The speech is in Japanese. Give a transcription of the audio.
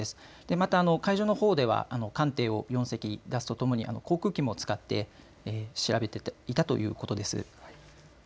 また海上の方では艦艇を４隻、出すとともに航空機も使って調べていたということです。